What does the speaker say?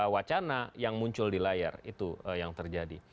wacana yang muncul di layar itu yang terjadi